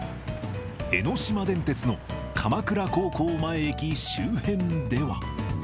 江ノ島電鉄の鎌倉高校前駅周辺では。